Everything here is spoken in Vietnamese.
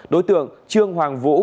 đối tượng trương hoàng vũ